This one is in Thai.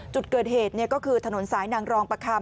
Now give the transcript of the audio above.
จุดเกิดเหตุก็คือถนนสายนางรองประคัม